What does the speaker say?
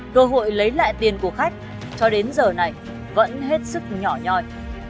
cơ hội lấy lại tiền của khách cho đến giờ này vẫn hết sức nhỏ nhoi